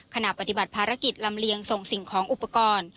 ขณะปฏิบัติภารกิจลำเลียงส่งสิ่งของอุปกรณ์